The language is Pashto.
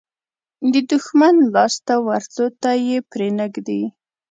د دښمن لاس ته ورتلو ته یې پرې نه ږدي.